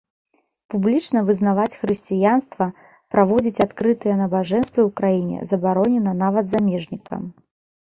Публічна вызнаваць хрысціянства, праводзіць адкрытыя набажэнствы ў краіне забаронена нават замежнікам.